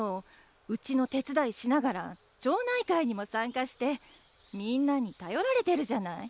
うちの手伝いしながら町内会にも参加してみんなに頼られてるじゃない。